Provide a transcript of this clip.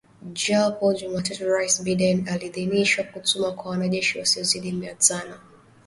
Hapo Jumatatu Rais Biden aliidhinisha kutumwa kwa wanajeshi wasiozidi mia tano